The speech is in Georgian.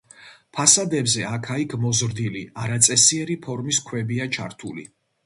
ფასადებზე აქა-იქ მოზრდილი, არაწესიერი ფორმის ქვებია ჩართული.